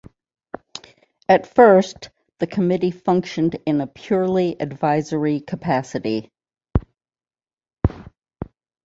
At first, the committee functioned in a purely advisory capacity.